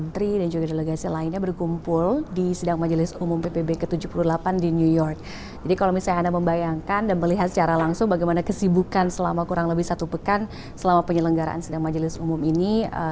terima kasih ibu retno marsudi saya sudah bersama ibu retno selama beberapa hari ini